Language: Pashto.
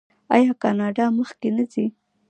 آیا کاناډا مخکې نه ځي؟